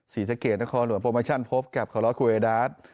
ศรีสะเกดนครหลวงโปรโมชั่นพบกับคารอคูเอดาส